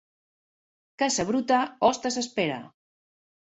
Casa bruta, hostes espera.